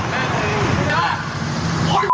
กู้ออกหวามันไม่ได้ปากมากนี้